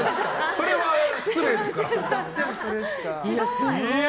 それは失礼ですから。